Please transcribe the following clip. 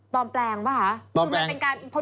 ปลอมแปลงป่ะฮะปลอมแปลง